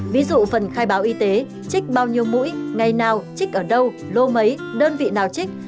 ví dụ phần khai báo y tế trích bao nhiêu mũi ngày nào trích ở đâu lô mấy đơn vị nào trích